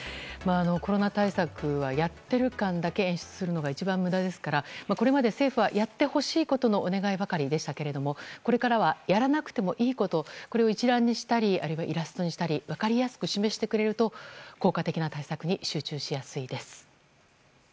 コロナ対策はやってる感だけ演出するのが一番無駄ですからこれまで政府はやってほしいことのお願いばかりでしたけれどもこれからはやらなくてもいいことを一覧にしたりあるいはイラストにしたり分かりやすく示してくれると効果的な対策に集中しやすいです。